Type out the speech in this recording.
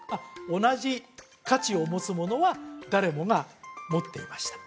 同じ価値を持つものは誰もが持っていました